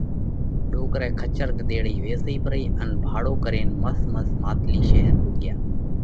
ڏوڪرئہ کچر ڳۮيڙئِي ويسئِي پرئي ان ڀاڙو ڪرينَ مس مس ماتلِي شير پُوڳيا۔